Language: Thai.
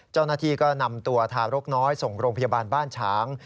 เจ้าหน้าที่ก็นำตัวทารกน้อยส่งโรงพยาบาลบ้านฉาง